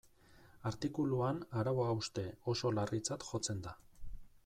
Artikuluan arau hauste oso larritzat jotzen da.